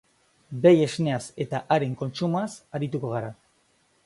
Behi esneaz eta haren kontsumoaz arituko gara.